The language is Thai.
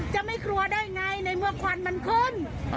จะไม่ครัวได้ไงในเมื่อควันมันขึ้น